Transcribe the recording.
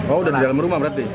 oh udah di dalam rumah berarti